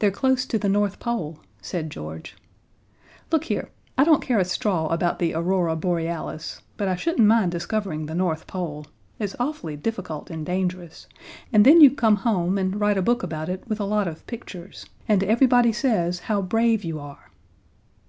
"They're close to the North Pole," said George. "Look here I don't care a straw about the Aurora Borealis, but I shouldn't mind discovering the North Pole: It's awfully difficult and dangerous, and then you come home and write a book about it with a lot of pictures, and everybody says how brave you are."